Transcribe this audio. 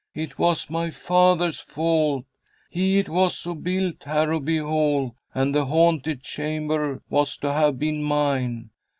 "It was my father's fault. He it was who built Harrowby Hall, and the haunted chamber was to have been mine.